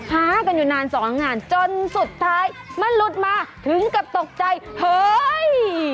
หากันอยู่นานสองงานจนสุดท้ายมันหลุดมาถึงกับตกใจเฮ้ย